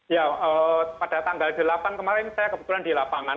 ya pada tanggal delapan kemarin saya kebetulan di lapangan